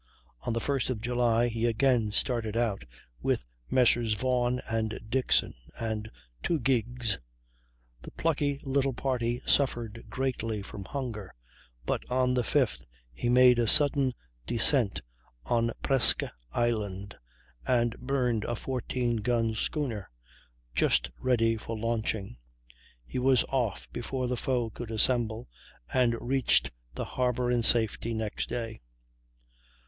On the 1st of July he again started out, with Messrs. Vaughan and Dixon, and two gigs. The plucky little party suffered greatly from hunger, but on the 5th he made a sudden descent on Presque Isle, and burned a 14 gun schooner just ready for launching; he was off before the foe could assemble, and reached the Harbor in safety next day.